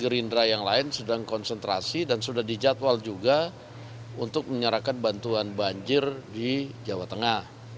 gerindra yang lain sedang konsentrasi dan sudah dijadwal juga untuk menyerahkan bantuan banjir di jawa tengah